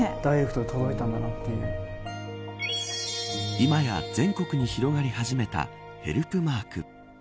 今や、全国に広がり始めたヘルプマーク。